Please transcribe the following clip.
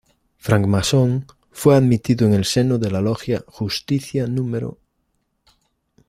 Francmasón, fue admitido en el seno de la logia "Justicia núm.